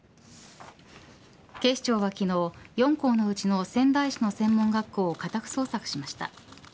警視庁は昨日４校のうちの仙台市の専門学校を家宅捜索しました。